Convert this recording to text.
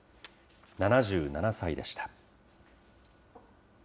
７７歳でした。